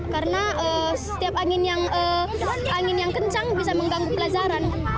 karena setiap angin yang kencang bisa mengganggu pelajaran